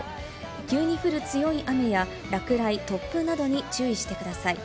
急に降る強い雨や落雷、突風などに注意してください。